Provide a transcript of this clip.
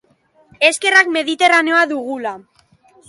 Eskerrak Mediterraneoa dugula.